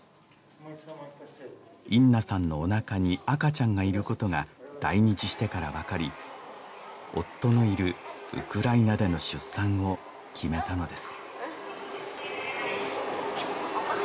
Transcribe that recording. インナさんのおなかに赤ちゃんがいることが来日してから分かり夫のいるウクライナでの出産を決めたのです